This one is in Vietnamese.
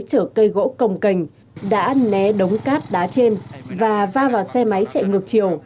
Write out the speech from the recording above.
chở cây gỗ cồng cành đã né đống cát đá trên và va vào xe máy chạy ngược chiều